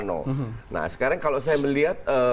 nah sekarang kalau saya melihat